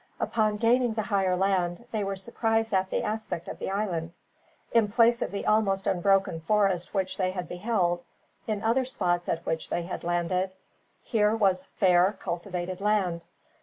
Upon gaining the higher land, they were surprised at the aspect of the island. In place of the almost unbroken forest which they had beheld, in other spots at which they had landed, here was fair cultivated land.